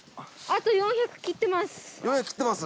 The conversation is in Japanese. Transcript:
４００切ってます？